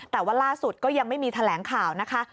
แต่ว่าล่าสุดก็ยังไม่มีแถลงข่าวนะคะ